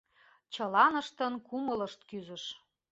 Чыланыштын кумылышт кӱзыш.